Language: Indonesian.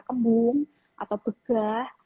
kembung atau begah